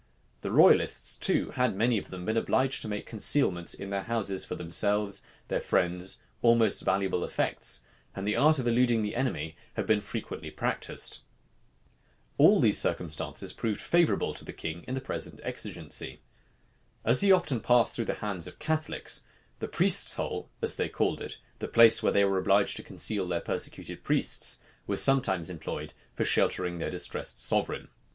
The royalists, too, had, many of them, been obliged to make concealments in their houses for themselves, their friends, or more valuable effects; and the arts of eluding the enemy had been frequently practised. All these circumstances proved favorable to the king in the present exigency. As he often passed through the hands of Catholics, the priests hole, as they called it, the place where they were obliged to conceal their persecuted priests, was sometimes employed for sheltering their distressed sovereign.